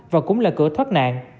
và cũng là cửa thoát nạn